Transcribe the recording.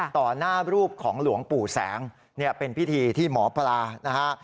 ต่อหน้ารูปของหลวงปู่แสงเนี่ยเป็นพิธีที่หมอปลานะฮะ